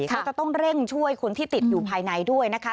ก็จะต้องเร่งช่วยคนที่ติดอยู่ภายในด้วยนะคะ